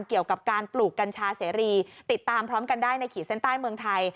เกี่ยวกับการปลูกกัญชาเสรีติดตามพร้อมกันได้ในขีดเส้นใต้เมืองไทย